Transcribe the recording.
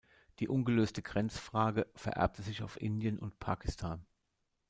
Die ungelöste Grenzfrage vererbte sich auf Indien und Pakistan.